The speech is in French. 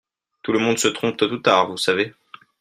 Tout le monde se trompe tôt ou tard, vous savez.